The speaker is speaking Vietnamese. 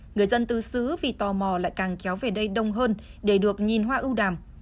người dân tứ xứ vì tò mò lại càng kéo về đây đông hơn để được nhìn hoa ưu đàm